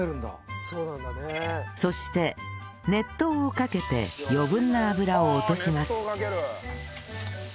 そして熱湯をかけて余分な油を落とします